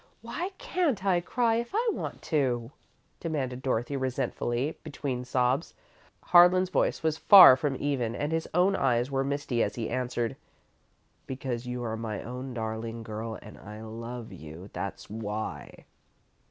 "Why can't I cry if I want to?" demanded Dorothy, resentfully, between sobs. Harlan's voice was far from even and his own eyes were misty as he answered: "Because you are my own darling girl and I love you, that's why."